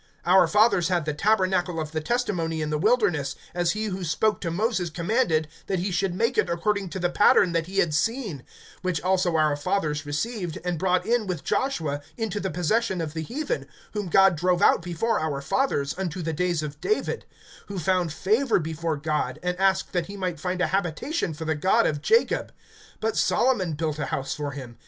(44)Our fathers had the tabernacle of the testimony in the wilderness, as he who spoke to Moses commanded, that he should make it according to the pattern that he had seen; (45)which also our fathers received, and brought in with Joshua into the possession of the heathen, whom God drove out before our fathers, unto the days of David; (46)who found favor before God, and asked that he might find a habitation for the God of Jacob. (47)But Solomon built a house for him.